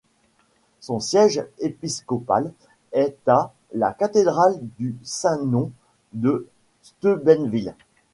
Son siège épiscopal est à la cathédrale du Saint-Nom de Steubenville.